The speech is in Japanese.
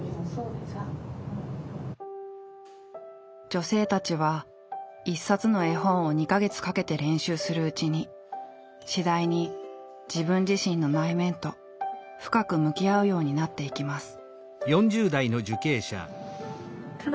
女性たちは一冊の絵本を２か月かけて練習するうちに次第に自分自身の内面と深く向き合うようになっていきます。